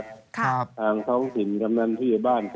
ถึงทางพิเศษภงศาลภิการกำหนังผู้ยุติบ้าน